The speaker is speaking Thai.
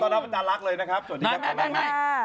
ขอต้อนรับอาจารย์ลักษณ์เลยนะครับสวัสดีครับ